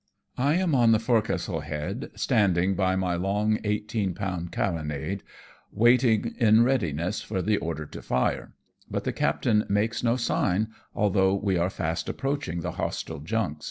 I am on the forecastle head standing by my long eighteen pound carronade, waiting in readiness for the order to fire, but the captain makes no sign, although we are fast approaching the hostile junks.